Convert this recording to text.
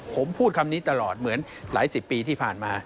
ผมพูดคำนี้ตลอดเหมือนหลายสิบปีที่ผ่านมา